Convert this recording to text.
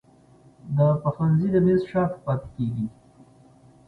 د پخلنځي د میز شاته پاته کیږې